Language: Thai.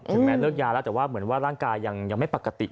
แม้เลิกยาแล้วแต่ว่าเหมือนว่าร่างกายยังไม่ปกติ